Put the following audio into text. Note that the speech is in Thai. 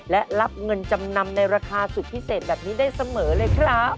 และรับเงินจำนำในราคาสุดพิเศษแบบนี้ได้เสมอเลยครับ